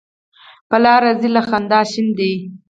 په لاره ځي له خندا شینې دي.